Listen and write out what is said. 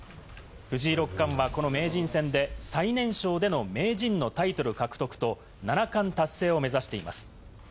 藤井六冠はこの名人戦で最年少での名人のタイトル獲得と、七冠達成を目指しています。